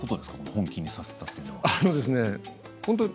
本気にさせたというのは。